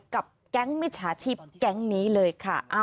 แก๊งมิจฉาชีพแก๊งนี้เลยค่ะ